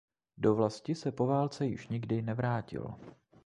Do vlasti se po válce již nikdy nevrátil.